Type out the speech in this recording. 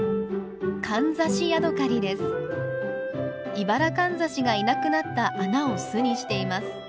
イバラカンザシがいなくなった穴を巣にしています。